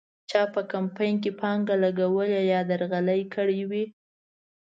چا په کمپاین کې پانګه لګولې یا درغلۍ کړې وې.